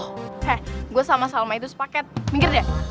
heh gue sama salma itu sepaket minggir deh